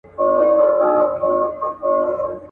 یو پر تا مین یم له هر یار سره مي نه لګي.